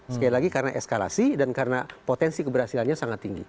sekali lagi karena eskalasi dan karena potensi keberhasilannya sangat tinggi